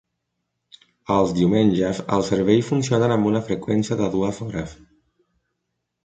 Els diumenges, els serveis funcionen amb una freqüència de dues hores.